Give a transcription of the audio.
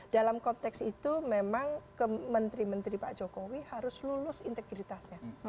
dalam konteks itu memang menteri menteri pak jokowi harus lulus integritasnya